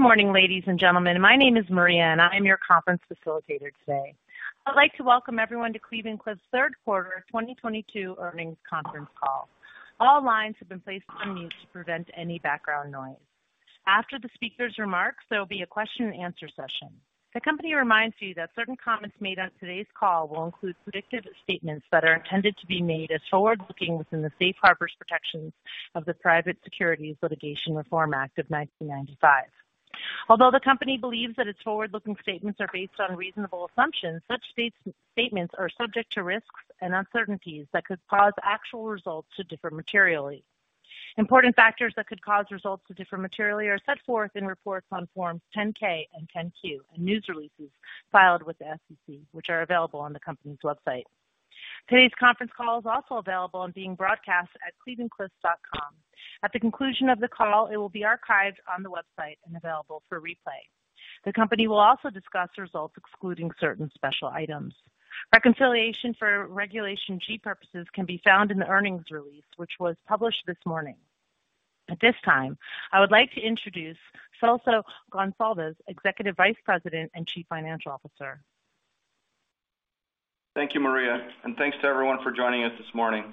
Good morning, ladies and gentlemen. My name is Maria, and I am your conference facilitator today. I'd like to welcome everyone to Cleveland-Cliffs Third Quarter 2022 Earnings Conference Call. All lines have been placed on mute to prevent any background noise. After the speaker's remarks, there will be a question-and-answer session. The company reminds you that certain comments made on today's call will include predictive statements that are intended to be made as forward-looking within the Safe Harbor's protections of the Private Securities Litigation Reform Act of 1995. Although the company believes that its forward-looking statements are based on reasonable assumptions, such statements are subject to risks and uncertainties that could cause actual results to differ materially. Important factors that could cause results to differ materially are set forth in reports on Form 10-K and 10-Q and news releases filed with the SEC, which are available on the company's website. Today's conference call is also available and being broadcast at clevelandcliffs.com. At the conclusion of the call, it will be archived on the website and available for replay. The company will also discuss results excluding certain special items. Reconciliation for Regulation G purposes can be found in the earnings release, which was published this morning. At this time, I would like to introduce Celso Goncalves, Executive Vice President and Chief Financial Officer. Thank you, Maria, and thanks to everyone for joining us this morning.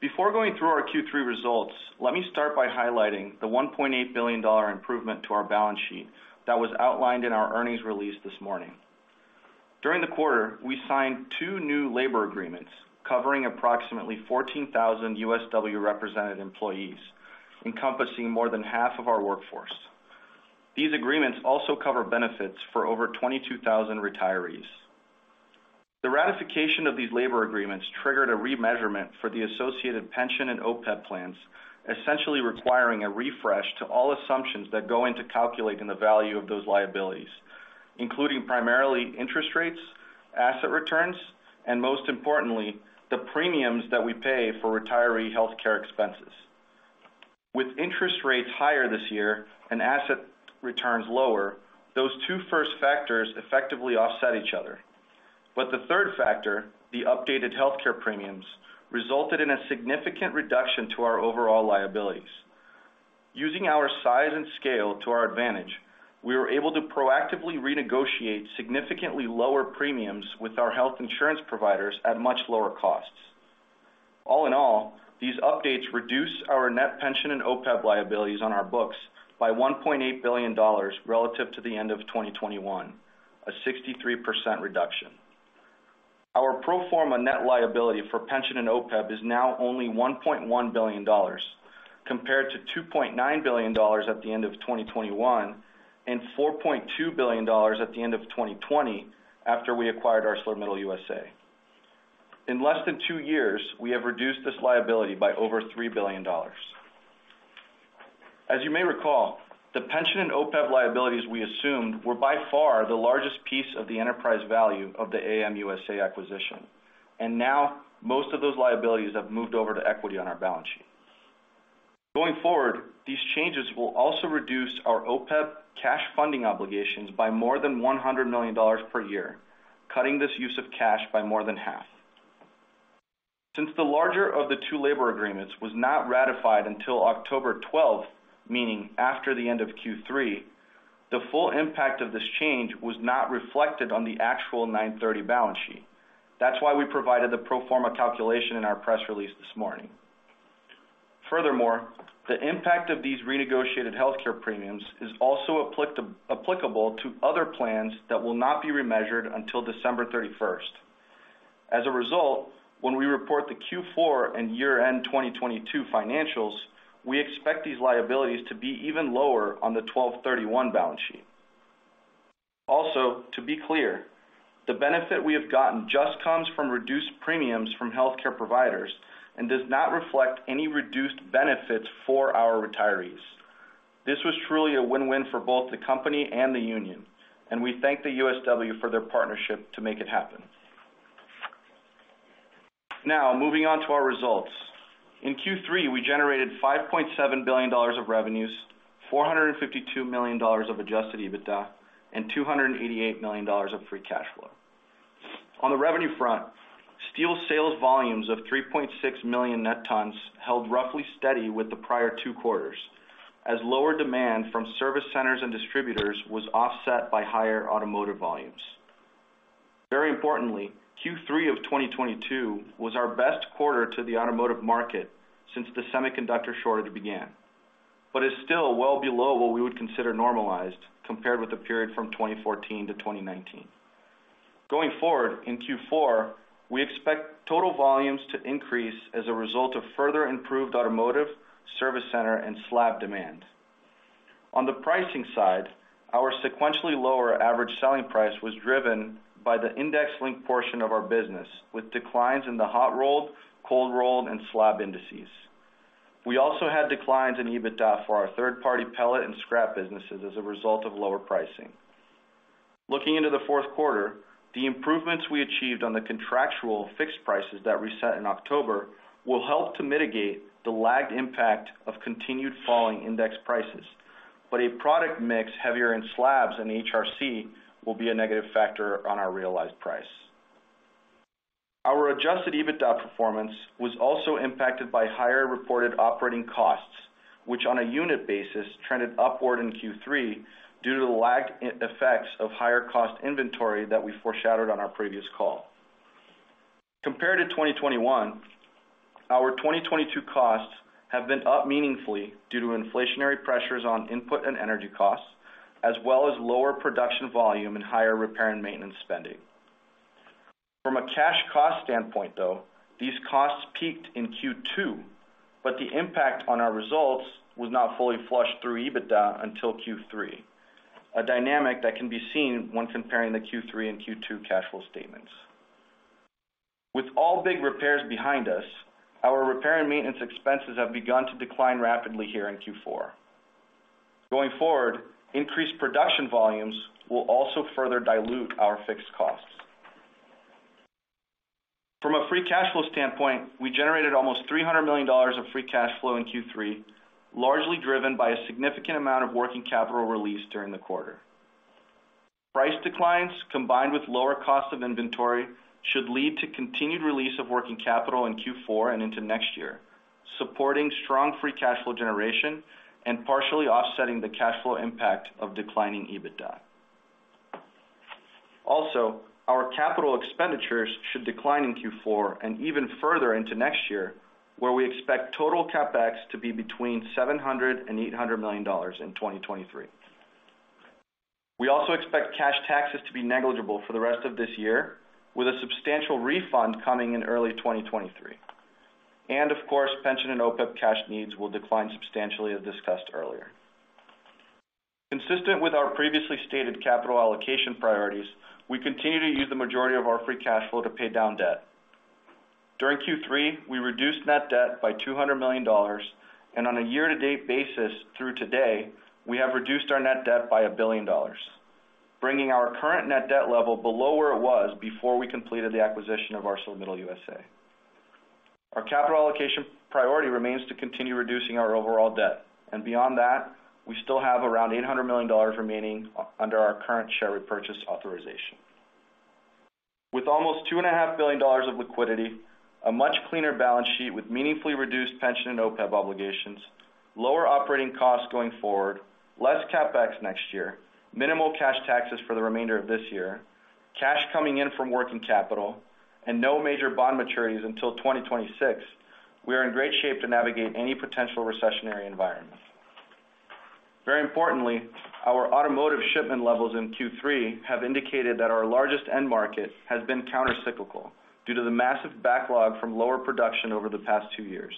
Before going through our Q3 results, let me start by highlighting the $1.8 billion improvement to our balance sheet that was outlined in our earnings release this morning. During the quarter, we signed two new labor agreements covering approximately 14,000 USW-represented employees, encompassing more than half of our workforce. These agreements also cover benefits for over 22,000 retirees. The ratification of these labor agreements triggered a remeasurement for the associated pension and OPEB plans, essentially requiring a refresh to all assumptions that go into calculating the value of those liabilities, including primarily interest rates, asset returns, and most importantly, the premiums that we pay for retiree healthcare expenses. With interest rates higher this year and asset returns lower, those two first factors effectively offset each other. The third factor, the updated healthcare premiums, resulted in a significant reduction to our overall liabilities. Using our size and scale to our advantage, we were able to proactively renegotiate significantly lower premiums with our health insurance providers at much lower costs. All in all, these updates reduce our net pension and OPEB liabilities on our books by $1.8 billion relative to the end of 2021, a 63% reduction. Our pro forma net liability for pension and OPEB is now only $1.1 billion, compared to $2.9 billion at the end of 2021 and $4.2 billion at the end of 2020, after we acquired ArcelorMittal U.S.A. In less than two years, we have reduced this liability by over $3 billion. As you may recall, the pension and OPEB liabilities we assumed were by far the largest piece of the enterprise value of the ArcelorMittal U.S.A. Acquisition, and now most of those liabilities have moved over to equity on our balance sheet. Going forward, these changes will also reduce our OPEB cash funding obligations by more than $100 million per year, cutting this use of cash by more than half. Since the larger of the two labor agreements was not ratified until October 12, meaning after the end of Q3, the full impact of this change was not reflected on the actual 9/30 balance sheet. That's why we provided the pro forma calculation in our press release this morning. Furthermore, the impact of these renegotiated healthcare premiums is also applicable to other plans that will not be remeasured until December 31st. As a result, when we report the Q4 and year-end 2022 financials, we expect these liabilities to be even lower on the 12/31 balance sheet. Also, to be clear, the benefit we have gotten just comes from reduced premiums from healthcare providers and does not reflect any reduced benefits for our retirees. This was truly a win-win for both the company and the union, and we thank the USW for their partnership to make it happen. Now, moving on to our results. In Q3, we generated $5.7 billion of revenues, $452 million of adjusted EBITDA, and $288 million of free cash flow. On the revenue front, steel sales volumes of 3.6 million net tons held roughly steady with the prior two quarters, as lower demand from service centers and distributors was offset by higher automotive volumes. Very importantly, Q3 of 2022 was our best quarter to the automotive market since the semiconductor shortage began, but is still well below what we would consider normalized compared with the period from 2014 to 2019. Going forward, in Q4, we expect total volumes to increase as a result of further improved automotive, service center, and slab demand. On the pricing side, our sequentially lower average selling price was driven by the index-linked portion of our business, with declines in the hot-rolled, cold-rolled, and slab indices. We also had declines in EBITDA for our third-party pellet and scrap businesses as a result of lower pricing. Looking into the fourth quarter, the improvements we achieved on the contractual fixed prices that reset in October, will help to mitigate the lagged impact of continued falling index prices. A product mix heavier in slabs and HRC will be a negative factor on our realized price. Our adjusted EBITDA performance was also impacted by higher reported operating costs, which on a unit basis trended upward in Q3 due to the lagged effects of higher cost inventory that we foreshadowed on our previous call. Compared to 2021, our 2022 costs have been up meaningfully due to inflationary pressures on input and energy costs, as well as lower production volume and higher repair and maintenance spending. From a cash cost standpoint, though, these costs peaked in Q2, but the impact on our results was not fully flushed through EBITDA until Q3, a dynamic that can be seen when comparing the Q3 and Q2 cash flow statements. With all big repairs behind us, our repair and maintenance expenses have begun to decline rapidly here in Q4. Going forward, increased production volumes will also further dilute our fixed costs. From a free cash flow standpoint, we generated almost $300 million of free cash flow in Q3, largely driven by a significant amount of working capital release during the quarter. Price declines combined with lower costs of inventory should lead to continued release of working capital in Q4 and into next year, supporting strong free cash flow generation and partially offsetting the cash flow impact of declining EBITDA. Also, our capital expenditures should decline in Q4 and even further into next year, where we expect total CapEx to be between $700 million and $800 million in 2023. We also expect cash taxes to be negligible for the rest of this year, with a substantial refund coming in early 2023. Of course, pension and OPEB cash needs will decline substantially as discussed earlier. Consistent with our previously stated capital allocation priorities, we continue to use the majority of our free cash flow to pay down debt. During Q3, we reduced net debt by $200 million, and on a year-to-date basis through today, we have reduced our net debt by $1 billion, bringing our current net debt level below where it was before we completed the acquisition of ArcelorMittal U.S.A. Our capital allocation priority remains to continue reducing our overall debt, and beyond that, we still have around $800 million remaining under our current share repurchase authorization. With almost $2.5 billion of liquidity, a much cleaner balance sheet with meaningfully reduced pension and OPEB obligations, lower operating costs going forward, less CapEx next year, minimal cash taxes for the remainder of this year, cash coming in from working capital, and no major bond maturities until 2026, we are in great shape to navigate any potential recessionary environment. Very importantly, our automotive shipment levels in Q3 have indicated that our largest end market has been countercyclical due to the massive backlog from lower production over the past two years.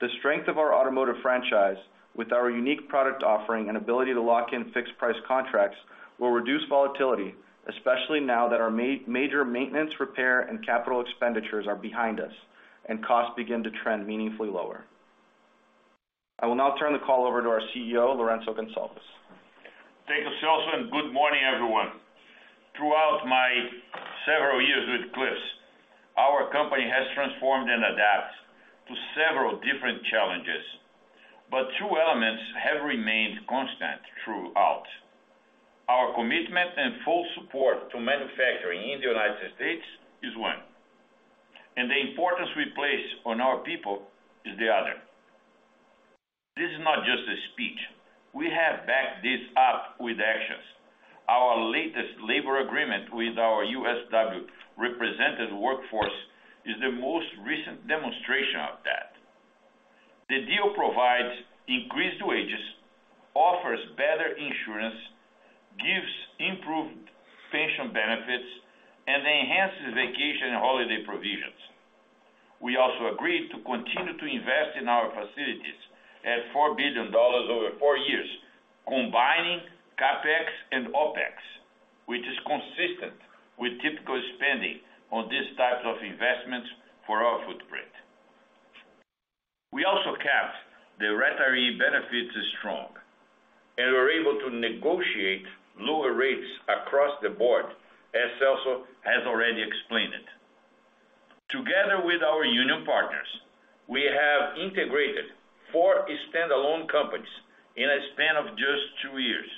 The strength of our automotive franchise with our unique product offering and ability to lock in fixed price contracts will reduce volatility, especially now that our major maintenance, repair, and capital expenditures are behind us and costs begin to trend meaningfully lower. I will now turn the call over to our CEO, Lourenço Goncalves. Thank you, Celso, and good morning, everyone. Throughout my several years with Cliffs, our company has transformed and adapt to several different challenges, but two elements have remained constant throughout. Our commitment and full support to manufacturing in the United States is one, and the importance we place on our people is the other. This is not just a speech. We have backed this up with actions. Our latest labor agreement with our USW-represented workforce is the most recent demonstration of that. The deal provides increased wages, offers better insurance, gives improved pension benefits, and enhances vacation and holiday provisions. We also agreed to continue to invest in our facilities at $4 billion over four years, combining CapEx and OpEx, which is consistent with typical spending on these types of investments for our footprint. We also kept the retiree benefits strong, and we're able to negotiate lower rates across the board, as Celso has already explained it. Together with our union partners, we have integrated four standalone companies in a span of just two years,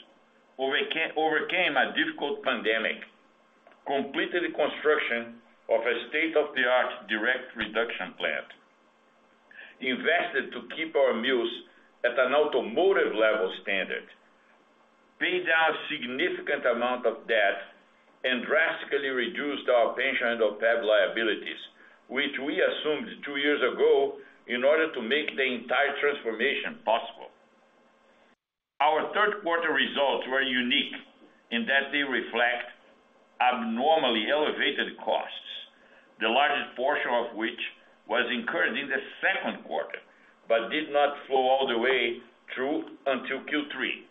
overcame a difficult pandemic, completed the construction of a state-of-the-art direct reduction plant, invested to keep our mills at an automotive-level standard, paid down significant amount of debt, and drastically reduced our pension and OPEB liabilities, which we assumed two years ago in order to make the entire transformation possible. Our third quarter results were unique in that they reflect abnormally elevated costs, the largest portion of which was incurred in the second quarter, but did not flow all the way through until Q3.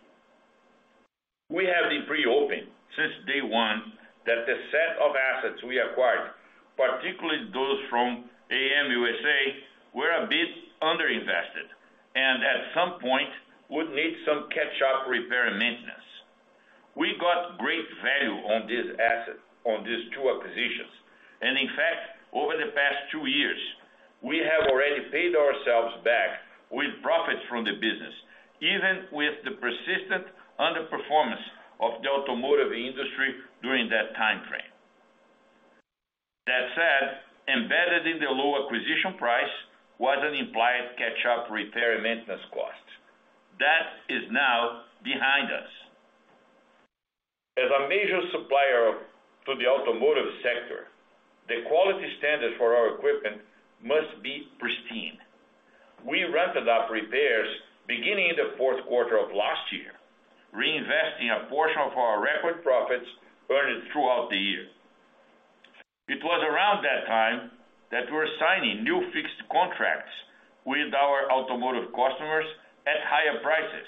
We have been pretty open since day one that the set of assets we acquired, particularly those from AM U.S.A., were a bit underinvested, and at some point, would need some catch-up repair and maintenance. We got great value on this asset on these two acquisitions. In fact, over the past two years, we have already paid ourselves back with profits from the business, even with the persistent underperformance of the automotive industry during that timeframe. That said, embedded in the low acquisition price was an implied catch-up repair and maintenance cost. That is now behind us. As a major supplier to the automotive sector, the quality standards for our equipment must be pristine. We ramped up repairs beginning in the fourth quarter of last year, reinvesting a portion of our record profits earned throughout the year. It was around that time that we were signing new fixed contracts with our automotive customers at higher prices,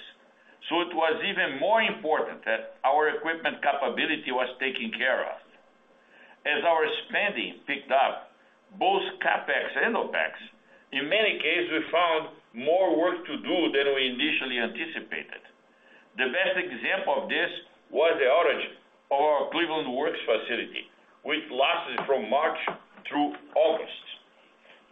so it was even more important that our equipment capability was taken care of. As our spending picked up, both CapEx and OpEx, in many cases, we found more work to do than we initially anticipated. The best example of this was the outage of our Cleveland Works facility, which lasted from March through August.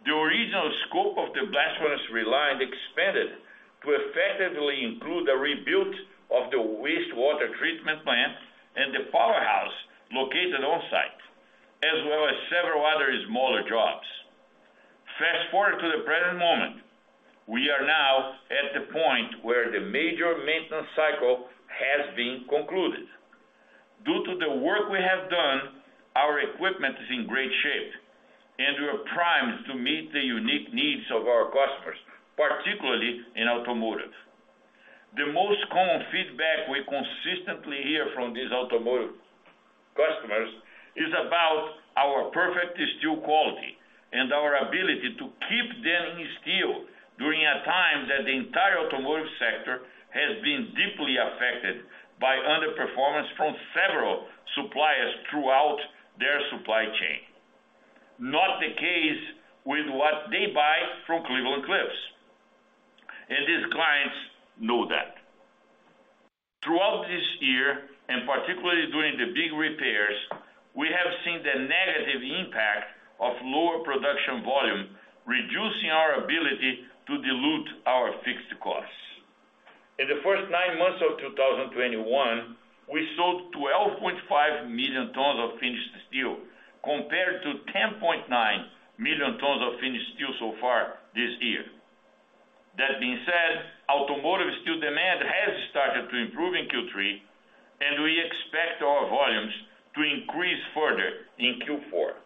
The original scope of the blast furnace reline expanded to effectively include the rebuild of the wastewater treatment plant and the powerhouse located on-site, as well as several other smaller jobs. Fast-forward to the present moment, we are now at the point where the major maintenance cycle has been concluded. Due to the work we have done, our equipment is in great shape, and we are primed to meet the unique needs of our customers, particularly in automotive. The most common feedback we consistently hear from these automotive customers is about our perfect steel quality and our ability to keep them in steel during a time that the entire automotive sector has been deeply affected by underperformance from several suppliers throughout their supply chain. Not the case with what they buy from Cleveland-Cliffs, and these clients know that. Throughout this year, and particularly during the big repairs, we have seen the negative impact of lower production volume, reducing our ability to dilute our fixed costs. In the first nine months of 2021, we sold 12.5 million tons of finished steel compared to 10.9 million tons of finished steel so far this year. That being said, automotive steel demand has started to improve in Q3, and we expect our volumes to increase further in Q4.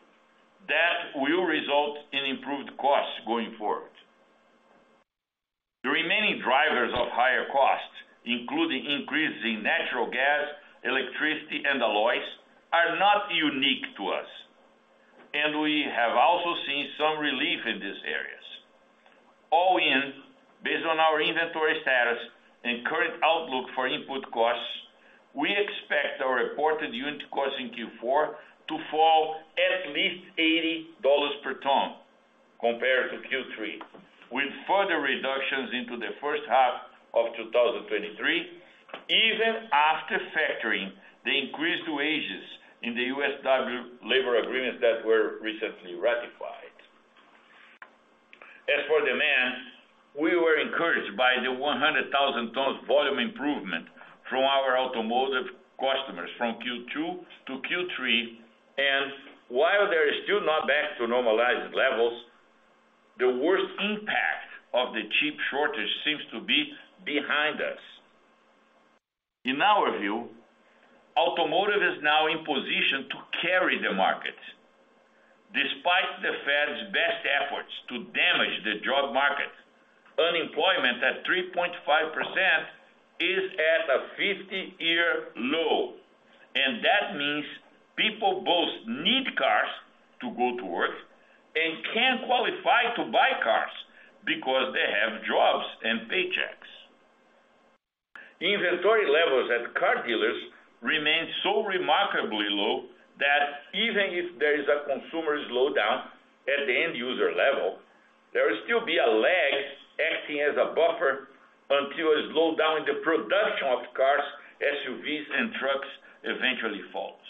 That will result in improved costs going forward. The remaining drivers of higher costs, including increase in natural gas, electricity, and alloys, are not unique to us, and we have also seen some relief in these areas. All in, based on our inventory status and current outlook for input costs, we expect our reported unit costs in Q4 to fall at least $80 per ton compared to Q3, with further reductions into the first half of 2023, even after factoring the increased wages in the USW labor agreements that were recently ratified. As for demand, we were encouraged by the 100,000 tons volume improvement from our automotive customers from Q2 to Q3. While they're still not back to normalized levels, the worst impact of the chip shortage seems to be behind us. In our view, automotive is now in position to carry the market. Despite the Fed's best efforts to damage the job market, unemployment at 3.5% is at a 50-year low, and that means people both need cars to go to work and can qualify to buy cars because they have jobs and paychecks. Inventory levels at car dealers remain so remarkably low that even if there is a consumer slowdown at the end user level, there will still be a lag acting as a buffer until a slowdown in the production of cars, SUVs, and trucks eventually falls.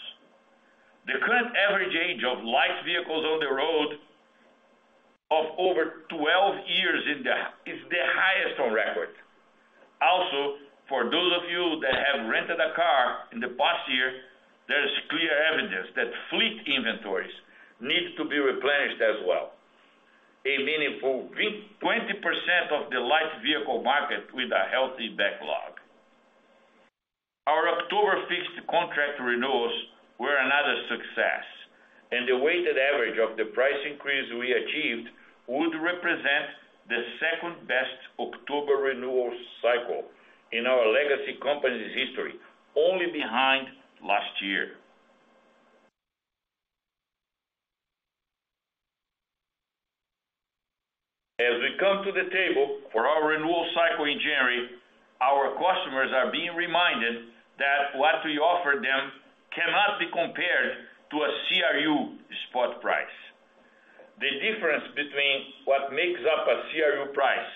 The current average age of light vehicles on the road of over 12 years is the highest on record. Also, for those of you that have rented a car in the past year, there is clear evidence that fleet inventories need to be replenished as well, a meaningful 20% of the light vehicle market with a healthy backlog. Our October fixed contract renewals were another success, and the weighted average of the price increase we achieved would represent the second-best October renewal cycle in our legacy company's history, only behind last year. As we come to the table for our renewal cycle in January, our customers are being reminded that what we offer them cannot be compared to a CRU spot price. The difference between what makes up a CRU price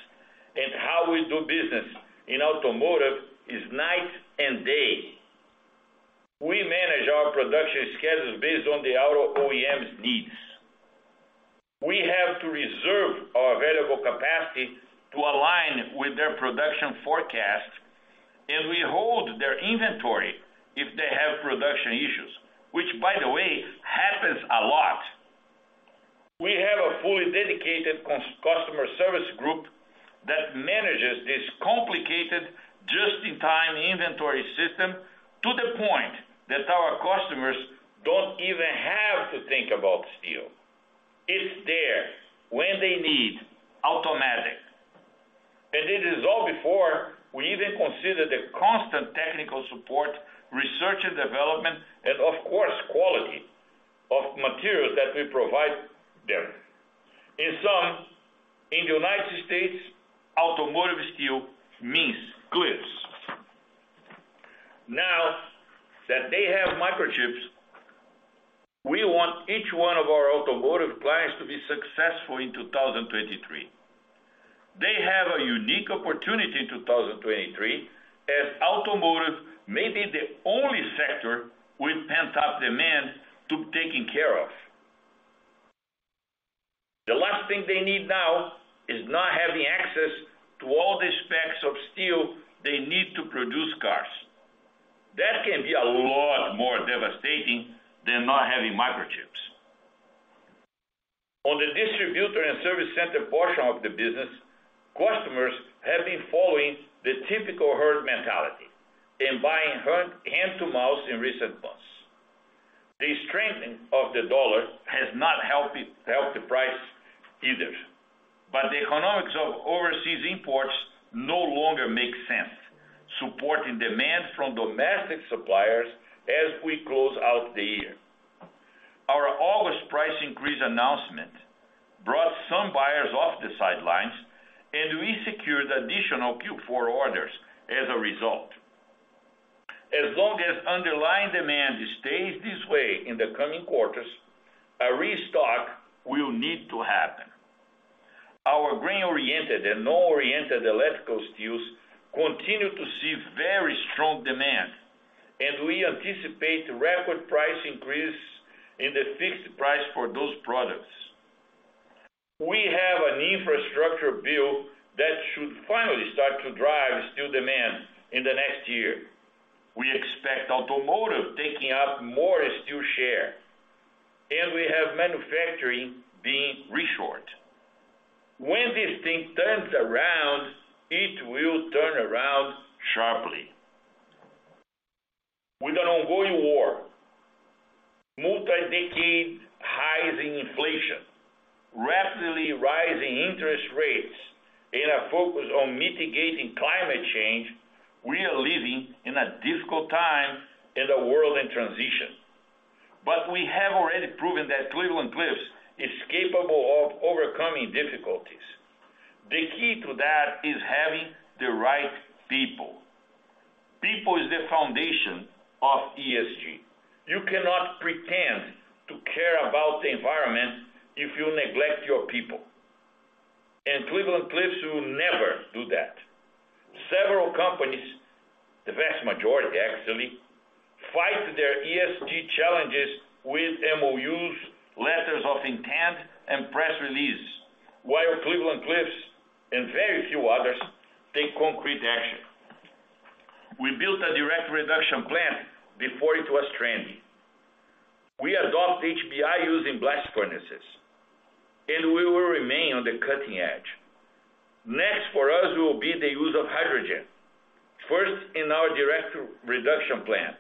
and how we do business in automotive is night and day, we manage our production schedule based on the auto OEM's needs. We have to reserve our variable capacity to align with their production forecast, and we hold their inventory if they have production issues, which by the way, happens a lot. We have a fully dedicated customer service group that manages this complicated just-in-time inventory system to the point that our customers don't even have to think about steel. It's there when they need, automatic. This is all before we even consider the constant technical support, research and development, and of course, quality of materials that we provide them. In sum, in the United States, automotive steel means Cliffs. Now that they have microchips, we want each one of our automotive clients to be successful in 2023. They have a unique opportunity in 2023 as automotive may be the only sector with pent-up demand taken care of. The last thing they need now is not having access to all the specs of steel they need to produce cars. That can be a lot more devastating than not having microchips. On the distributor and service center portion of the business, customers have been following the typical herd mentality and buying hand to mouth in recent months. The strengthening of the dollar has not helped the price either, but the economics of overseas imports no longer make sense, supporting demand from domestic suppliers as we close out the year. Our August price increase announcement brought some buyers off the sidelines, and we secured additional Q4 orders as a result. As long as underlying demand stays this way in the coming quarters, a restock will need to happen. Our grain-oriented and non-oriented electrical steels continue to see very strong demand, and we anticipate rapid price increase in the fixed price for those products. We have an infrastructure bill that should finally start to drive steel demand in the next year. We expect automotive taking up more steel share, and we have manufacturing being re-shored. When this thing turns around, it will turn around sharply. With an ongoing war, multi-decade highs in inflation, rapidly rising interest rates, and a focus on mitigating climate change, we are living in a difficult time in a world in transition. But we have already proven that Cleveland-Cliffs is capable of overcoming difficulties. The key to that is having the right people. People is the foundation of ESG. You cannot pretend to care about the environment if you neglect your people. And Cleveland-Cliffs will never do that. Several companies, the vast majority actually, fight their ESG challenges with MOUs, letters of intent, and press release, while Cleveland-Cliffs and very few others take concrete action. We built a direct reduction plant before it was trendy. We adopt HBI using blast furnaces, and we will remain on the cutting edge. Next for us will be the use of hydrogen, first in our direct reduction plant,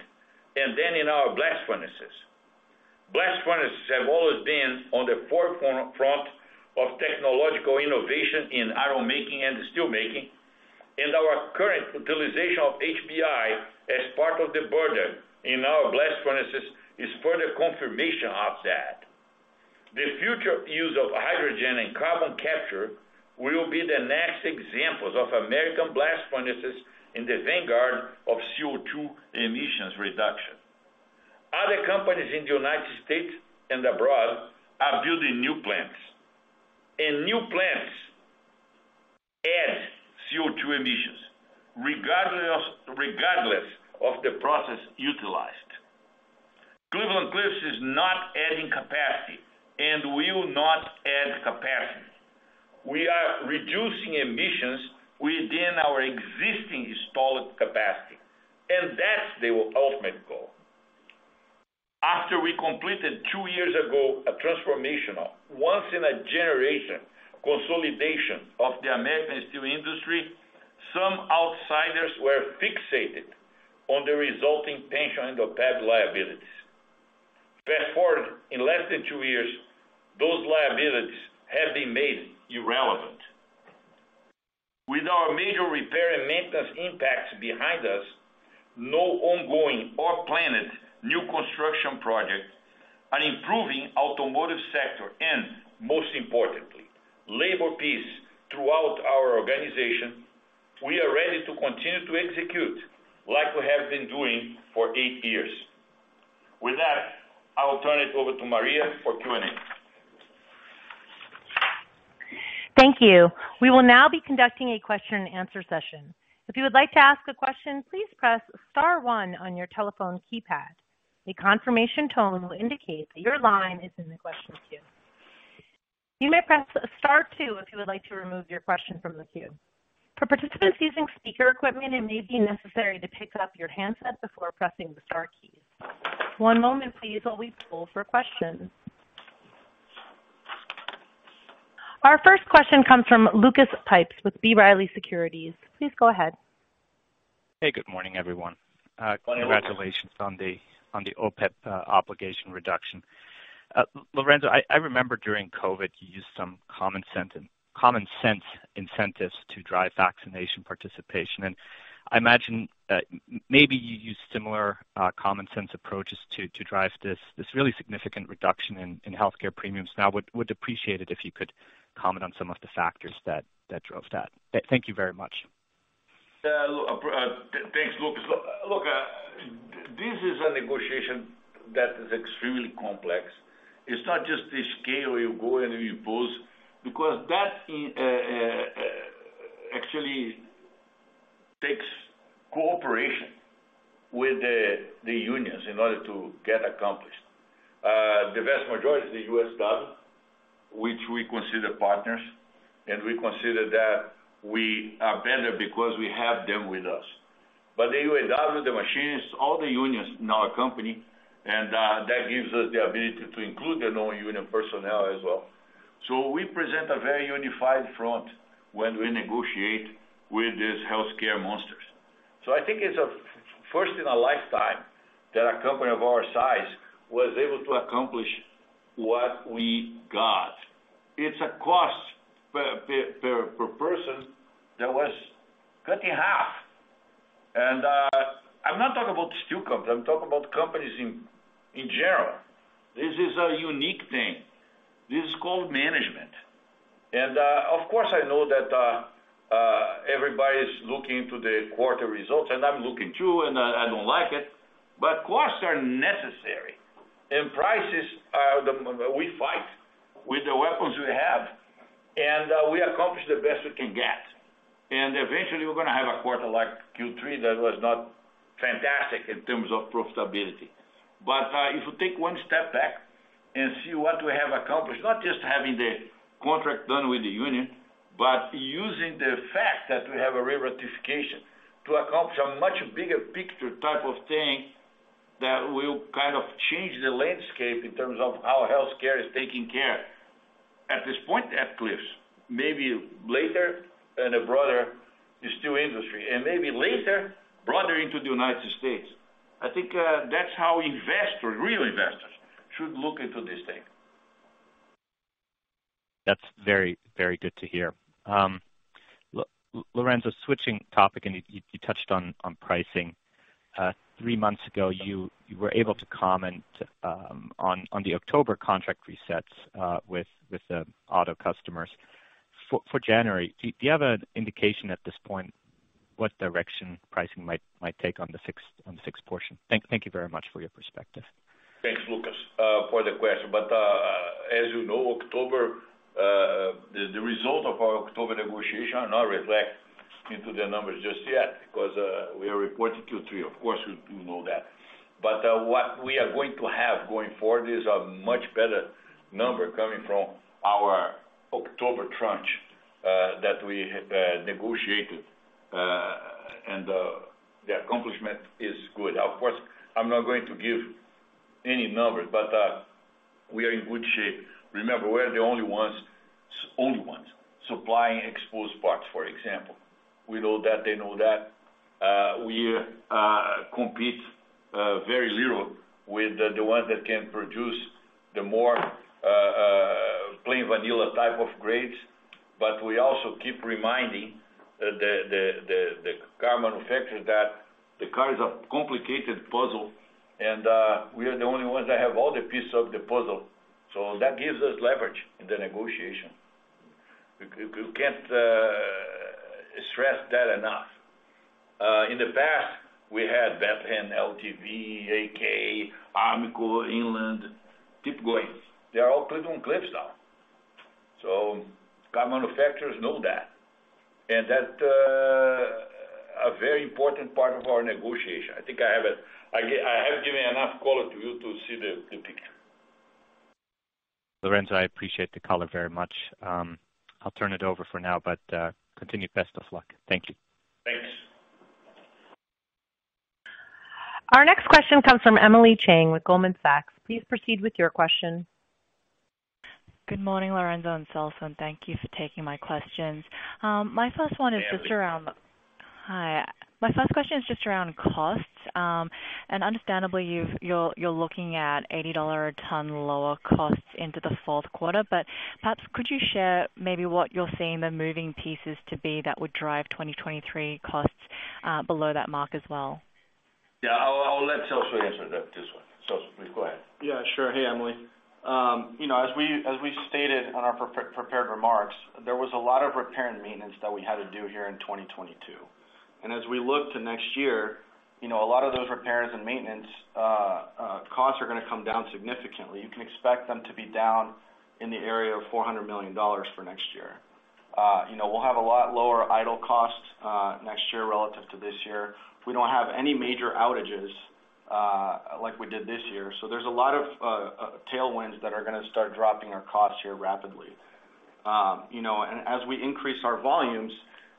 and then in our blast furnaces. Blast furnaces have always been on the forefront of technological innovation in iron making and steel making, and our current utilization of HBI as part of the burden in our blast furnaces is further confirmation of that. The future use of hydrogen and carbon capture will be the next examples of American blast furnaces in the vanguard of CO2 emissions reduction. Other companies in the United States and abroad are building new plants. New plants add CO2 emissions regardless of the process utilized. Cleveland-Cliffs is not adding capacity and will not add capacity. We are reducing emissions within our existing installed capacity, and that's the ultimate goal. After we completed two years ago, a transformational, once in a generation consolidation of the American steel industry, some outsiders were fixated on the resulting pension and OPEB liabilities. Fast-forward in less than two years, those liabilities have been made irrelevant. With our major repair and maintenance impacts behind us, no ongoing or planned new construction projects, an improving automotive sector, and most importantly, labor peace throughout our organization, we are ready to continue to execute like we have been doing for eight years. With that, I will turn it over to Maria for Q&A. Thank you. We will now be conducting a question and answer session. If you would like to ask a question, please press star one on your telephone keypad. A confirmation tone will indicate that your line is in the question queue. You may press star two if you would like to remove your question from the queue. For participants using speaker equipment, it may be necessary to pick up your handset before pressing the star keys. One moment please while we pull for questions. Our first question comes from Lucas Pipes with B. Riley Securities. Please go ahead. Good morning, everyone. Congratulations on the OPEB obligation reduction. Lourenço, I remember during COVID, you used some common sense incentives to drive vaccination participation. I imagine maybe you used similar common sense approaches to drive this really significant reduction in healthcare premiums. Now, I would appreciate it if you could comment on some of the factors that drove that. Thank you very much. Thanks, Lucas. Look, this is a negotiation that is extremely complex. It's not just the scale where you go and you push, because that actually takes cooperation with the unions in order to get accomplished. The vast majority is the USW, which we consider partners, and we consider that we are better because we have them with us. The USW, the machinists, all the unions in our company, and that gives us the ability to include the non-union personnel as well. We present a very unified front when we negotiate with these healthcare monsters. I think it's a first in a lifetime that a company of our size was able to accomplish what we got. It's a cost per person that was cut in half. I'm not talking about SteelCo, I'm talking about companies in general. This is a unique thing. This is called management. Of course, I know that everybody's looking to the quarter results, and I'm looking too, and I don't like it. Costs are necessary, and prices, we fight with the weapons we have, and we accomplish the best we can get. Eventually, we're gonna have a quarter like Q3 that was not fantastic in terms of profitability. If you take one step back and see what we have accomplished, not just having the contract done with the union, but using the fact that we have a re-ratification to accomplish a much bigger picture type of thing that will kind of change the landscape in terms of how healthcare is taking care at this point at Cliffs, maybe later and broader the steel industry, and maybe later, broader into the United States. I think that's how investors, real investors, should look into this thing. That's very, very good to hear. Lourenço, switching topic, you touched on pricing. Three months ago, you were able to comment on the October contract resets with the auto customers. For January, do you have an indication at this point what direction pricing might take on the fixed portion? Thank you very much for your perspective. Thanks, Lucas, for the question. As you know, October, the result of our October negotiation are not reflect into the numbers just yet because we are reporting Q3. Of course, we know that. What we are going to have going forward is a much better number coming from our October tranche that we negotiated, and the accomplishment is good. Of course, I'm not going to give any numbers, but we are in good shape. Remember, we're the only ones supplying exposed parts, for example. We know that, they know that. We compete very little with the ones that can produce the more plain vanilla type of grades. We also keep reminding the car manufacturers that the car is a complicated puzzle and we are the only ones that have all the pieces of the puzzle, so that gives us leverage in the negotiation. We can't stress that enough. In the past, we had Bethlehem Steel, LTV Steel, AK Steel, Armco, Inland Steel Company, keep going. They are all Cleveland-Cliffs now. Car manufacturers know that. That's a very important part of our negotiation. I think I have it. I have given enough color to you to see the picture. Lourenço, I appreciate the color very much. I'll turn it over for now, but continued best of luck. Thank you. Thanks. Our next question comes from Emily Chang with Goldman Sachs. Please proceed with your question. Good morning, Lourenço and Celso. Thank you for taking my questions. My first one is just around. Yeah, Emily. Hi. My first question is just around costs. Understandably, you're looking at $80 a ton lower costs into the fourth quarter. Perhaps could you share maybe what you're seeing the moving pieces to be that would drive 2023 costs below that mark as well? Yeah, I'll let Celso answer that, this one. Celso, please go ahead. Yeah, sure. Hey, Emily. You know, as we stated on our prepared remarks, there was a lot of repair and maintenance that we had to do here in 2022. As we look to next year, you know, a lot of those repairs and maintenance costs are gonna come down significantly. You can expect them to be down in the area of $400 million for next year. You know, we'll have a lot lower idle costs next year relative to this year. We don't have any major outages like we did this year. There's a lot of tailwinds that are gonna start dropping our costs here rapidly. You know, as we increase our volumes,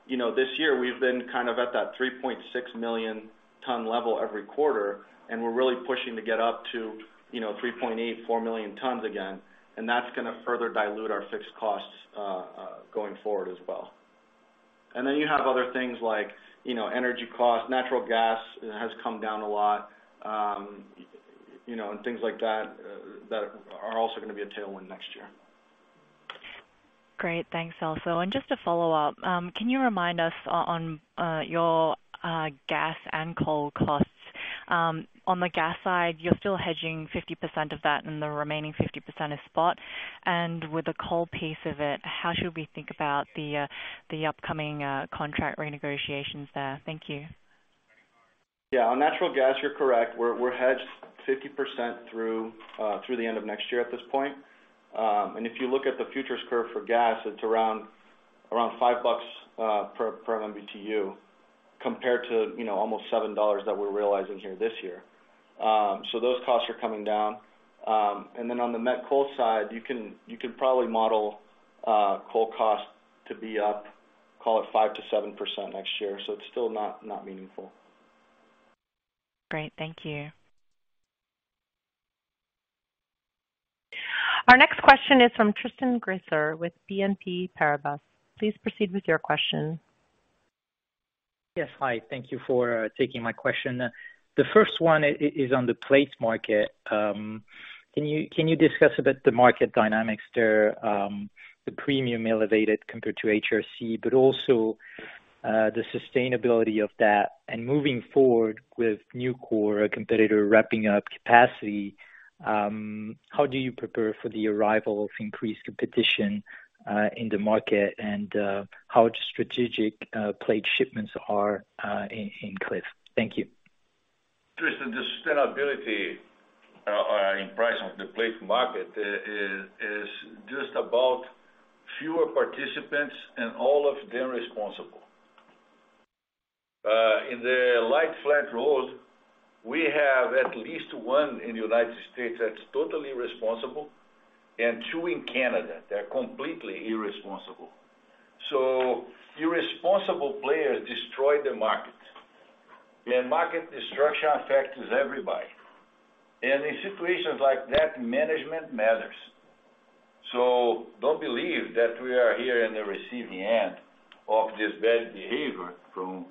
you know, this year we've been kind of at that 3.6 million ton level every quarter, and we're really pushing to get up to 3.8-4 million tons again. That's gonna further dilute our fixed costs going forward as well. You have other things like, you know, energy costs. Natural gas has come down a lot, you know, and things like that are also gonna be a tailwind next year. Great. Thanks, Celso. Just a follow-up, can you remind us on your gas and coal costs? On the gas side, you're still hedging 50% of that and the remaining 50% is spot. With the coal piece of it, how should we think about the upcoming contract renegotiations there? Thank you. Yeah. On natural gas, you're correct. We're hedged 50% through the end of next year at this point. If you look at the futures curve for gas, it's around $5 per MBTU, compared to, you know, almost $7 that we're realizing here this year. Those costs are coming down. Then on the met coal side, you can probably model coal cost to be up, call it 5%-7% next year. It's still not meaningful. Great. Thank you. Our next question is from Tristan Gresser with BNP Paribas. Please proceed with your question. Yes. Hi. Thank you for taking my question. The first one is on the plate market. Can you discuss a bit the market dynamics there, the elevated premium compared to HRC, but also the sustainability of that. Moving forward with Nucor, a competitor ramping up capacity, how do you prepare for the arrival of increased competition in the market, and how strategic plate shipments are in Cleveland-Cliffs? Thank you. Tristan, the sustainability in price of the plate market is just about fewer participants and all of them responsible. In the light flat rolled, we have at least one in the United States that's totally responsible and two in Canada, they're completely irresponsible. Irresponsible players destroy the market, and market destruction affects everybody. In situations like that, management matters. Don't believe that we are here in the receiving end of this bad behavior from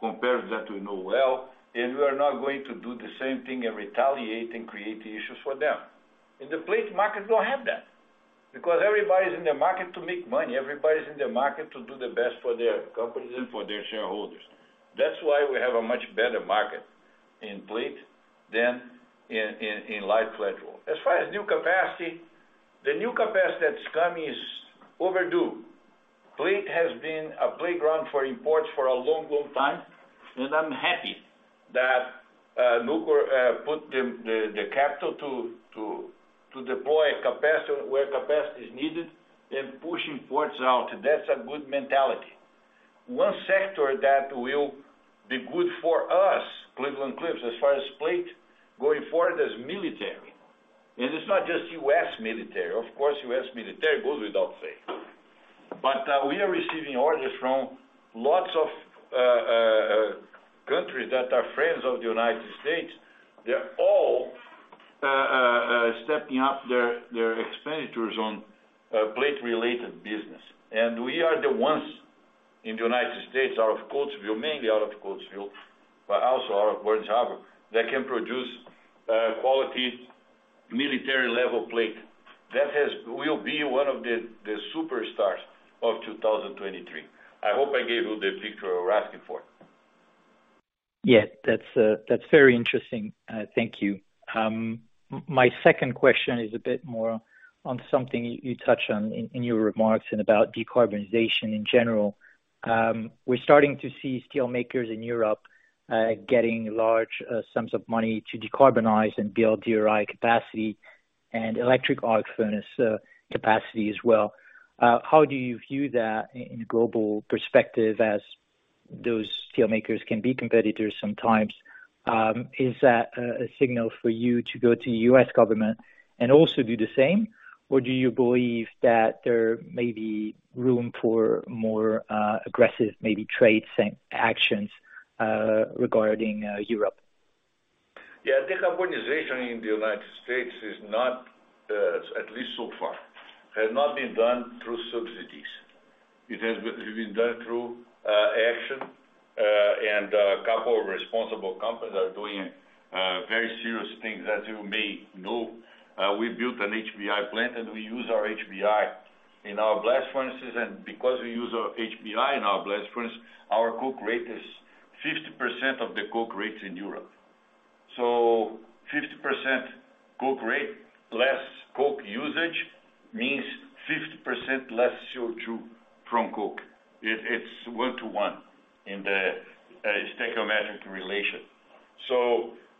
competitors that we know well, and we are not going to do the same thing and retaliate and create issues for them. The plate markets don't have that because everybody's in the market to make money. Everybody's in the market to do the best for their companies and for their shareholders. That's why we have a much better market in plate than in light flat roll. As far as new capacity, the new capacity that's coming is overdue. Plate has been a playground for imports for a long, long time, and I'm happy that Nucor put the capital to deploy capacity where capacity is needed and push imports out. That's a good mentality. One sector that will be good for us, Cleveland-Cliffs, as far as plate going forward, is military. It's not just U.S. military. Of course, U.S. military goes without fail. We are receiving orders from lots of countries that are friends of the United States. They're all stepping up their expenditures on plate-related business. We are the ones in the United States, out of Coatesville, mainly out of Coatesville, but also out of Burns Harbor, that can produce quality military-level plate. That will be one of the superstars of 2023. I hope I gave you the picture you're asking for. Yeah. That's very interesting. Thank you. My second question is a bit more on something you touched on in your remarks and about decarbonization in general. We're starting to see steelmakers in Europe getting large sums of money to decarbonize and build DRI capacity and electric arc furnace capacity as well. How do you view that in global perspective as those steelmakers can be competitors sometimes? Is that a signal for you to go to U.S. government and also do the same? Or do you believe that there may be room for more aggressive, maybe trade sanctions regarding Europe? Yeah. Decarbonization in the United States is not, at least so far, has not been done through subsidies. It has been done through action, and a couple of responsible companies are doing very serious things. As you may know, we built an HBI plant, and we use our HBI in our blast furnaces. Because we use our HBI in our blast furnace, our coke rate is 50% of the coke rates in Europe. 50% coke rate, less coke usage means 50% less CO2 from coke. It's 1-to-1 in the stoichiometric relation.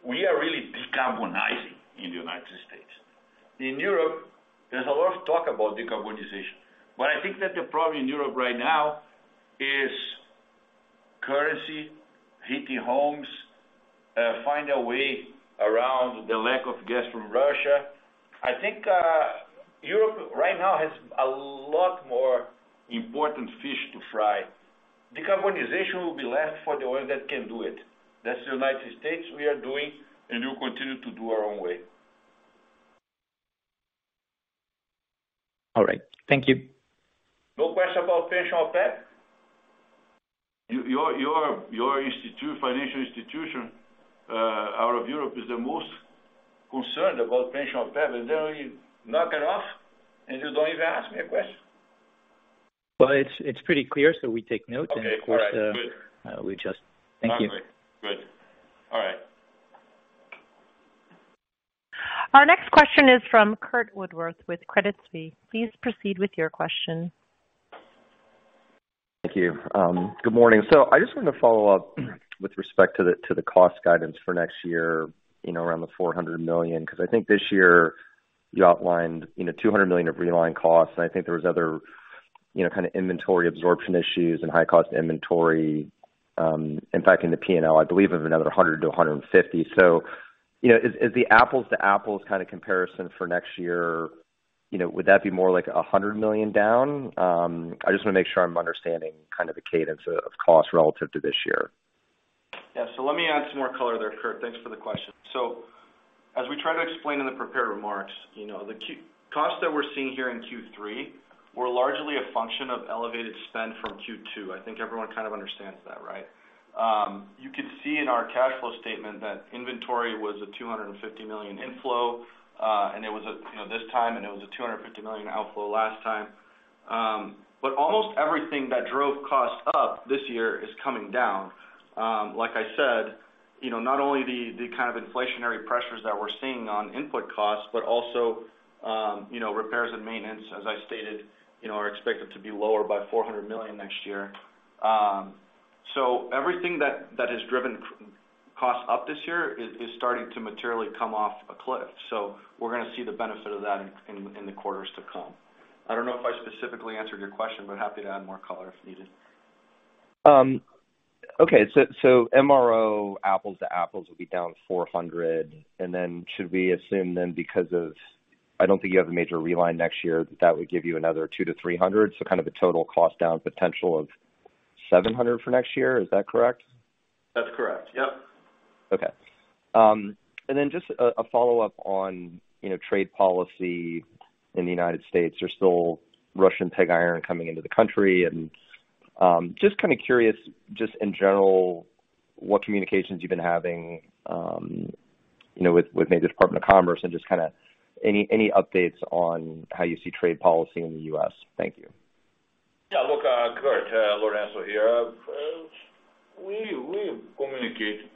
We are really decarbonizing in the United States. In Europe, there's a lot of talk about decarbonization, but I think that the problem in Europe right now is currency, heating homes, find a way around the lack of gas from Russia. I think Europe right now has a lot more important fish to fry. Decarbonization will be last for the one that can do it. That's the United States. We are doing, and we'll continue to do our own way. All right. Thank you. No question about pension or OPEB? Your financial institution out of Europe is the most concerned about pension or OPEB, and then you knock it off, and you don't even ask me a question. Well, it's pretty clear, so we take note. Okay. All right. Good. Of course, thank you. Okay. Good. All right. Our next question is from Curt Woodworth with Credit Suisse. Please proceed with your question. Thank you. Good morning. I just wanted to follow up with respect to the cost guidance for next year, you know, around the $400 million, because I think this year you outlined, you know, $200 million of reline costs, and I think there was other, you know, kind of inventory absorption issues and high cost inventory, in fact, in the P&L, I believe of another $100-$150. You know, is the apples to apples kind of comparison for next year, you know, would that be more like $100 million down? I just want to make sure I'm understanding kind of the cadence of cost relative to this year. Yeah. Let me add some more color there, Curt. Thanks for the question. As we try to explain in the prepared remarks, you know, the costs that we're seeing here in Q3 were largely a function of elevated spend from Q2. I think everyone kind of understands that, right? You could see in our cash flow statement that inventory was a $250 million inflow, and it was a $250 million outflow last time. But almost everything that drove costs up this year is coming down. Like I said, you know, not only the kind of inflationary pressures that we're seeing on input costs, but also, you know, repairs and maintenance, as I stated, you know, are expected to be lower by $400 million next year. Everything that has driven cost up this year is starting to materially come off a cliff. We're gonna see the benefit of that in the quarters to come. I don't know if I specifically answered your question, but happy to add more color if needed. Okay. MRO apples to apples will be down $400. Should we assume because I don't think you have a major reline next year, that would give you another $200-$300, so kind of a total cost down potential of $700 for next year. Is that correct? That's correct. Yep. Okay. Just a follow-up on, you know, trade policy in the United States. There's still Russian pig iron coming into the country. Just kind of curious, just in general, what communications you've been having, you know, with maybe Department of Commerce and just kinda any updates on how you see trade policy in the U.S. Thank you. Yeah. Look, Curt, Lourenço here. We communicate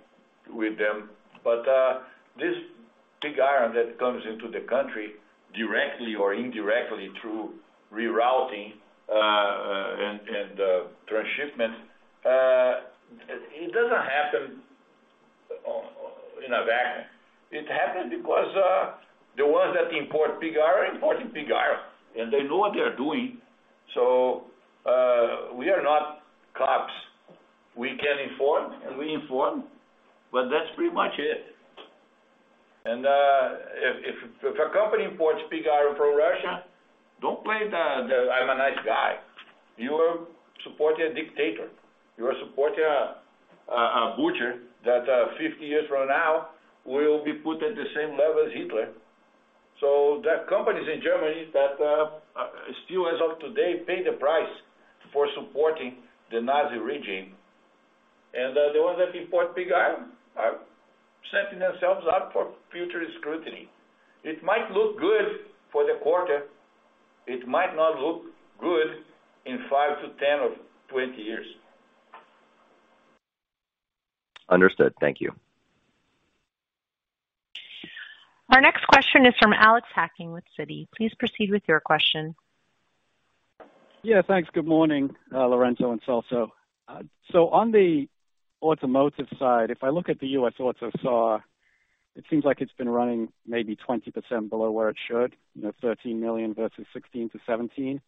with them, but this pig iron that comes into the country directly or indirectly through rerouting and transshipment, it doesn't happen on a vacuum. It happened because the ones that import pig iron imported pig iron, and they know what they're doing. We are not cops. We can inform, and we inform, but that's pretty much it. If a company imports pig iron from Russia, don't play the "I'm a nice guy." You are supporting a dictator. You are supporting a butcher that fifty years from now will be put at the same level as Hitler. There are companies in Germany that still as of today pay the price for supporting the Nazi regime. The ones that import pig iron are setting themselves up for future scrutiny. It might look good for the quarter. It might not look good in five to 10 or 20 years. Understood. Thank you. Our next question is from Alex Hacking with Citigroup. Please proceed with your question. Yeah. Thanks. Good morning, Lourenço and Celso. On the automotive side, if I look at the U.S auto SAAR, it seems like it's been running maybe 20% below where it should, you know, 13 million versus 16-17. You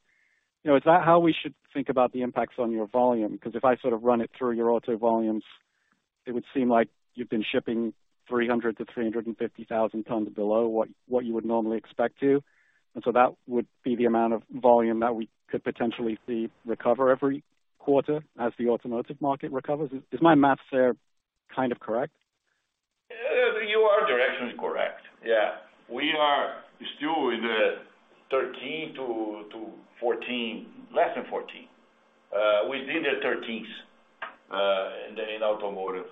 know, is that how we should think about the impacts on your volume? Because if I sort of run it through your auto volumes, it would seem like you've been shipping 300-350,000 tons below what you would normally expect to. That would be the amount of volume that we could potentially see recover every quarter as the automotive market recovers. Is my math there kind of correct? You are directionally correct. Yeah. We are still in the 13-14, less than 14. Within the 13s, in automotive.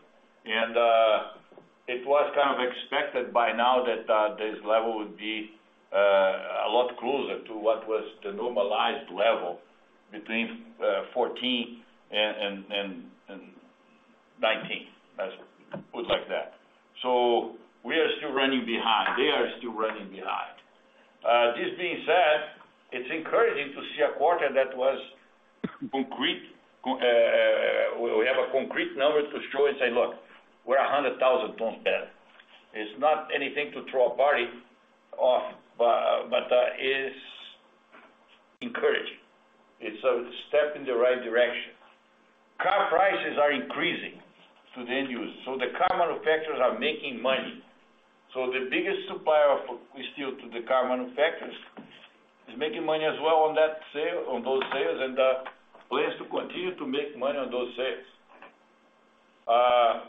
It was kind of expected by now that this level would be a lot closer to what was the normalized level between 14 and 19. Let's put it like that. We are still running behind. They are still running behind. This being said, it's encouraging to see a quarter that was concrete. We have a concrete number to show and say, "Look, we're 100,000 tons better." It's not anything to throw a party of, but it's encouraging. It's a step in the right direction. Car prices are increasing to the end user, so the car manufacturers are making money. The biggest supplier of steel to the car manufacturers is making money as well on that sale, on those sales, and plans to continue to make money on those sales.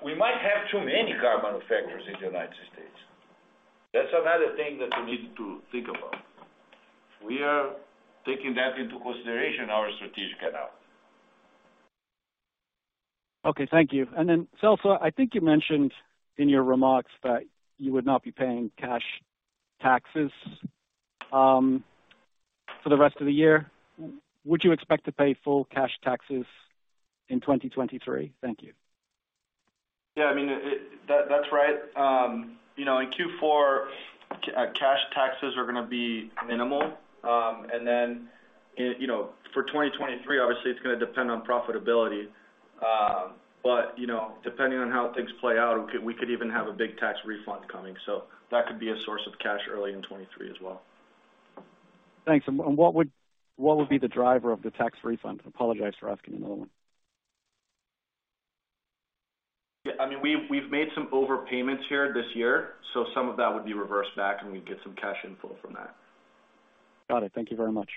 We might have too many car manufacturers in the United States. That's another thing that we need to think about. We are taking that into consideration in our strategic analysis. Okay. Thank you. Celso, I think you mentioned in your remarks that you would not be paying cash taxes for the rest of the year. Would you expect to pay full cash taxes in 2023? Thank you. Yeah, I mean, that's right. You know, in Q4, cash taxes are gonna be minimal. Then, you know, for 2023, obviously it's gonna depend on profitability. You know, depending on how things play out, we could even have a big tax refund coming, so that could be a source of cash early in 2023 as well. Thanks. What would be the driver of the tax refund? I apologize for asking another one. Yeah. I mean, we've made some overpayments here this year, so some of that would be reversed back and we'd get some cash inflow from that. Got it. Thank you very much.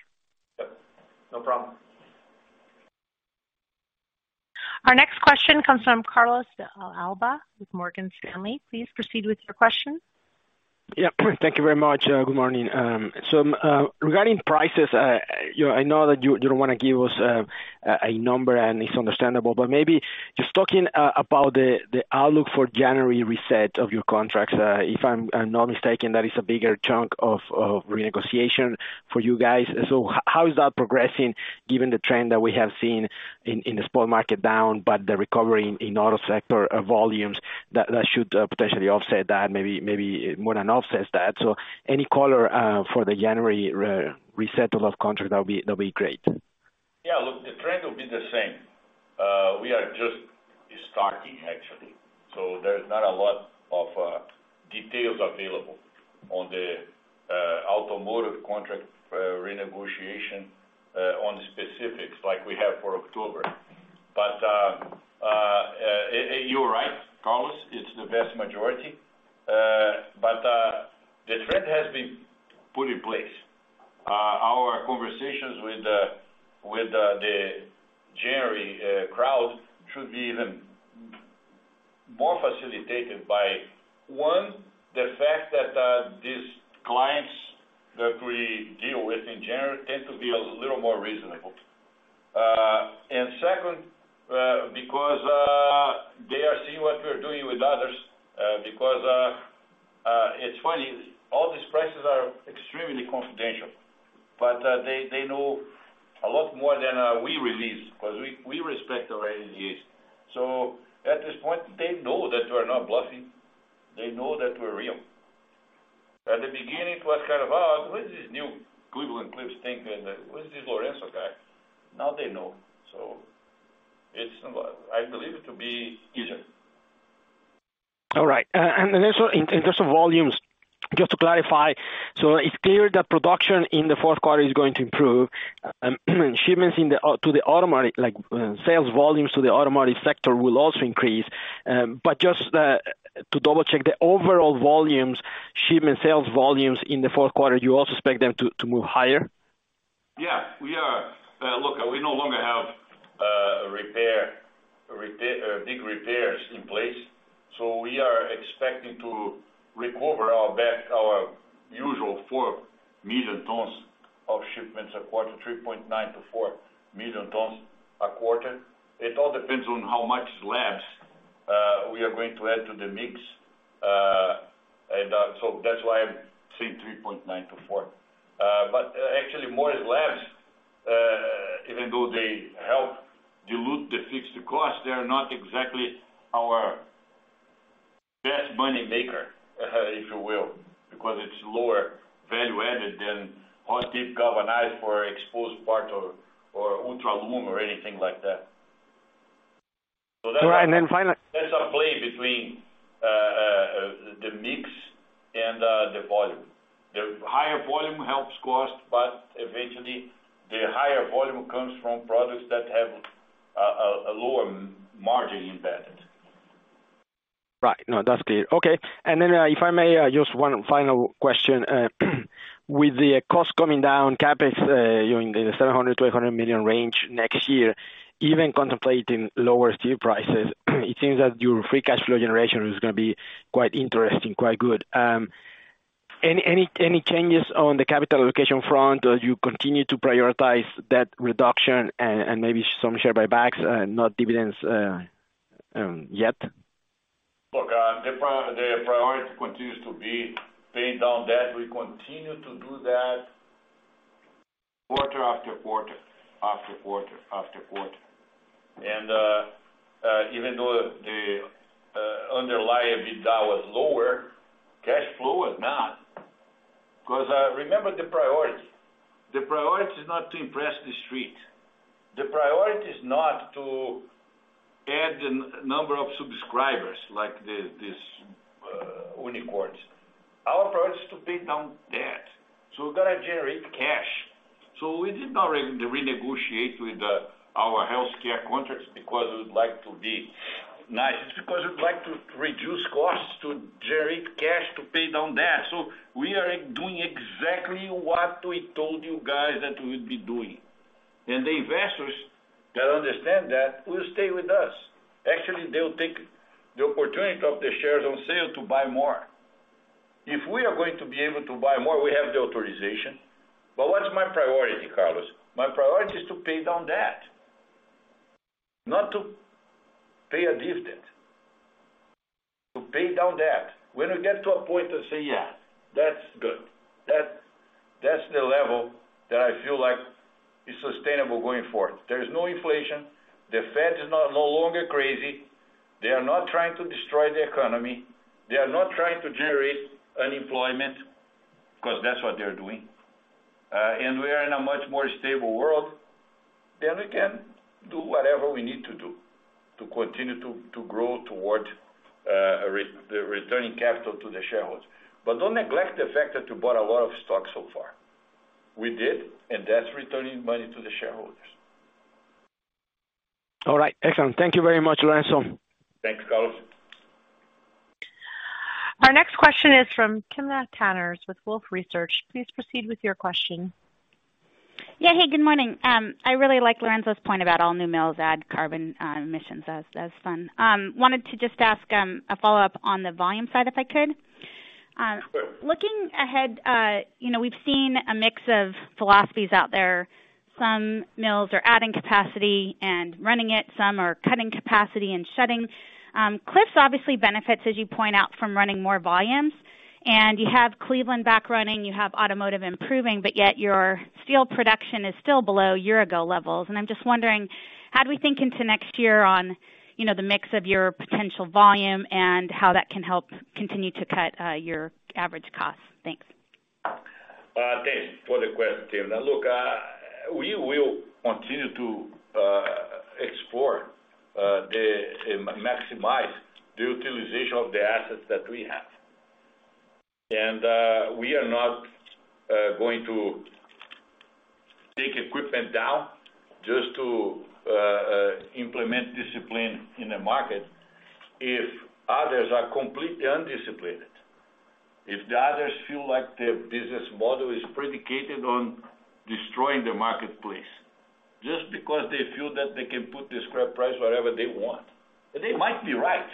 Yep. No problem. Our next question comes from Carlos De Alba with Morgan Stanley. Please proceed with your question. Yeah. Thank you very much. Good morning. Regarding prices, you know, I know that you don't wanna give us a number, and it's understandable, but maybe just talking about the outlook for January reset of your contracts. If I'm not mistaken, that is a bigger chunk of renegotiation for you guys. How is that progressing given the trend that we have seen in the spot market down, but the recovery in auto sector volumes that should potentially offset that, maybe more than offsets that. Any color for the January reset of those contracts, that'll be great. Yeah. Look, the trend will be the same. We are just starting actually, so there's not a lot of details available on the automotive contract renegotiation on the specifics like we have for October. You're right, Carlos, it's the vast majority. The trend has been put in place. Our conversations with the January crowd should be even more facilitated by, one, the fact that these clients that we deal with in January tend to be a little more reasonable. And second, because they are seeing what we are doing with others, because it's funny, all these prices are extremely confidential, but they know a lot more than we release because we respect our NDAs. At this point, they know that we're not bluffing. They know that we're real. At the beginning, it was kind of, "Oh, who is this new Cleveland-Cliffs thing and, who is this Lourenço guy?" Now they know. It's, I believe it to be easier. All right. In terms of volumes, just to clarify, so it's clear that production in the fourth quarter is going to improve. Shipments to the automotive, like, sales volumes to the automotive sector will also increase. Just to double-check, the overall volumes, shipment sales volumes in the fourth quarter, do you also expect them to move higher? Yeah, we are. Look, we no longer have big repairs in place, so we are expecting to recover our backlog to our usual 4 million tons of shipments a quarter, 3.9-4 million tons a quarter. It all depends on how much slabs we are going to add to the mix. That's why I'm saying 3.9-4. But actually, more slabs, even though they help dilute the fixed cost, they are not exactly our best money maker, if you will, because it's lower value added than hot-dip galvanized for exposed part or ultra-low or anything like that. That's. Right. Finally. That's a play between the mix and the volume. The higher volume helps cost, but eventually the higher volume comes from products that have a lower margin impact. Right. No, that's clear. Okay. If I may, just one final question. With the cost coming down, CapEx, you know, in the $700 million-$800 million range next year, even contemplating lower steel prices, it seems that your free cash flow generation is gonna be quite interesting, quite good. Any changes on the capital allocation front as you continue to prioritize debt reduction and maybe some share buybacks, not dividends, yet? Look, the priority continues to be paying down debt. We continue to do that quarter after quarter after quarter after quarter. Even though the underlying EBITDA was lower, cash flow was not. Remember the priority. The priority is not to impress the street. The priority is not to add the number of subscribers like these unicorns. Our priority is to pay down debt. We've gotta generate cash. We did not renegotiate with our healthcare contracts because we'd like to be nice. It's because we'd like to reduce costs to generate cash to pay down debt. We are doing exactly what we told you guys that we'd be doing. The investors that understand that will stay with us. Actually, they'll take the opportunity of the shares on sale to buy more. If we are going to be able to buy more, we have the authorization. What's my priority, Carlos? My priority is to pay down debt, not to pay a dividend. To pay down debt. When we get to a point to say, "Yeah, that's good. That's the level that I feel like is sustainable going forward. There is no inflation. The Fed is no longer crazy. They are not trying to destroy the economy. They are not trying to generate unemployment," because that's what they're doing, and we are in a much more stable world, we can do whatever we need to do to continue to grow towards the returning capital to the shareholders. Don't neglect the fact that we bought a lot of stock so far. We did, and that's returning money to the shareholders. All right. Excellent. Thank you very much, Lourenço. Thanks, Carlos. Our next question is from Timna Tanners with Wolfe Research. Please proceed with your question. Yeah. Hey, good morning. I really like Lourenço's point about all new mills add carbon emissions. That's fun. Wanted to just ask a follow-up on the volume side, if I could. Sure. Looking ahead, you know, we've seen a mix of philosophies out there. Some mills are adding capacity and running it, some are cutting capacity and shutting. Cliffs obviously benefits, as you point out, from running more volumes. You have Cleveland back running, you have automotive improving, but yet your steel production is still below year-ago levels. I'm just wondering how do we think into next year on, you know, the mix of your potential volume and how that can help continue to cut your average costs? Thanks. Thanks for the question. Now, look, we will continue to maximize the utilization of the assets that we have. We are not going to take equipment down just to implement discipline in the market if others are completely undisciplined, if the others feel like their business model is predicated on destroying the marketplace just because they feel that they can put the scrap price wherever they want. They might be right,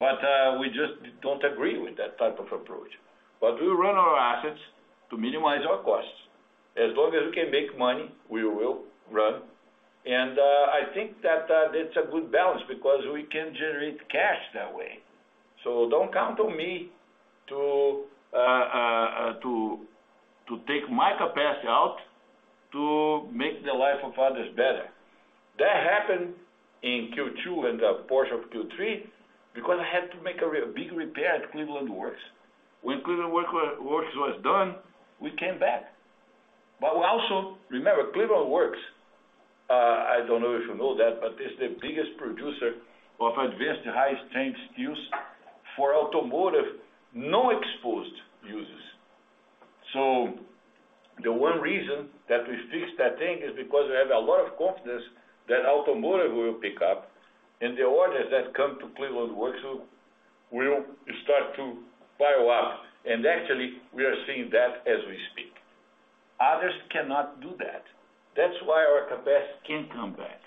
but we just don't agree with that type of approach. We run our assets to minimize our costs. As long as we can make money, we will run. I think that that's a good balance because we can generate cash that way. Don't count on me to take my capacity out to make the life of others better. That happened in Q2 and a portion of Q3 because I had to make a big repair at Cleveland Works. When Cleveland Works was done, we came back. We also remember, Cleveland Works. I don't know if you know that, but it's the biggest producer of advanced high-strength steels for automotive, non-exposed uses. The one reason that we fixed that thing is because we have a lot of confidence that automotive will pick up, and the orders that come to Cleveland Works will start to fire up. Actually, we are seeing that as we speak. Others cannot do that. That's why our capacity can come back.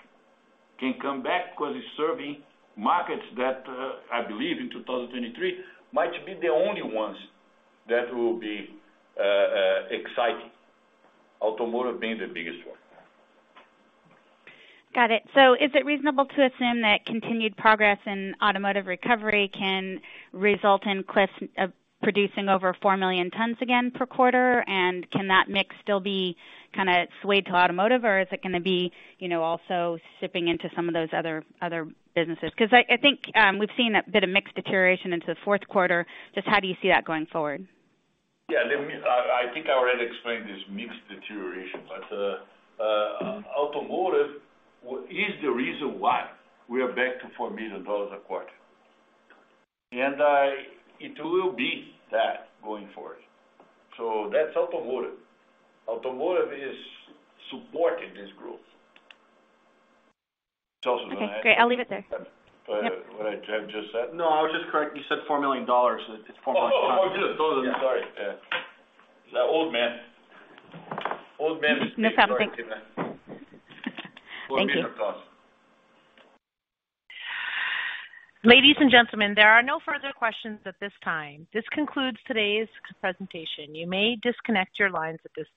Can come back because it's serving markets that, I believe in 2023 might be the only ones that will be, exciting, automotive being the biggest one. Got it. Is it reasonable to assume that continued progress in automotive recovery can result in Cliffs producing over 4 million tons again per quarter? Can that mix still be kind of swayed to automotive, or is it gonna be, you know, also seeping into some of those other businesses? Because I think we've seen a bit of mix deterioration into the fourth quarter. Just how do you see that going forward? Yeah. I think I already explained this mixed deterioration, but automotive is the reason why we are back to $4 million a quarter. It will be that going forward. That's automotive. Automotive is supporting this growth. It's also gonna. Okay. I'll leave it there. What I just said? No, I was just correct, you said $4 million. It's 4 million tons. Oh, oh. Tons. Sorry. Yeah. The old man is making. Misheard. Thank you. 4 million tons. Ladies and gentlemen, there are no further questions at this time. This concludes today's presentation. You may disconnect your lines at this time.